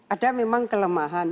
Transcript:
ada memang kelemahan